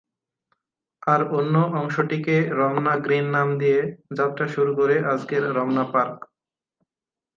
আর অন্য অংশটিকে রমনা গ্রিন নাম দিয়ে যাত্রা শুরু করে আজকের রমনা পার্ক।